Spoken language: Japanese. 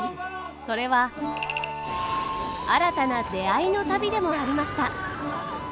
それは新たな出会いの旅でもありました。